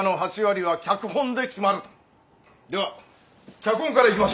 では脚本からいきましょう。